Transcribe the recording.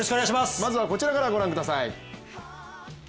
まずはこちらからご覧ください。